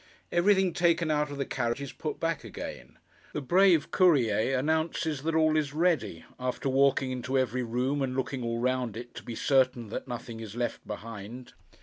Everything taken out of the carriage is put back again. The brave Courier announces that all is ready, after walking into every room, and looking all round it, to be certain that nothing is left behind.